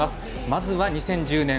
まずは２０１０年